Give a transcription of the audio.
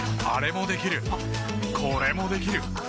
あれもできるこれもできる。